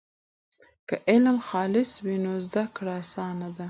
که علم خالص وي نو زده کړه اسانه ده.